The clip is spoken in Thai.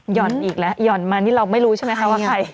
อีกแล้วหย่อนมานี่เราไม่รู้ใช่ไหมคะว่าใคร